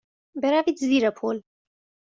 بروید زیر پل.